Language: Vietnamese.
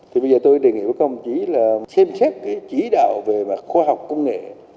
thì bây giờ tôi đề nghị với công chí là xem xét cái chỉ đạo về khoa học công nghệ